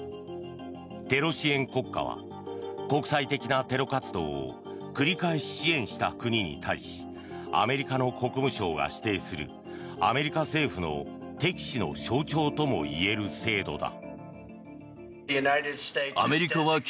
テロ支援国家は国際的なテロ活動を繰り返し支援した国に対しアメリカの国務省が指定するアメリカ政府の敵視の象徴ともいえる制度だ。